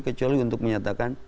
kecuali untuk menyatakan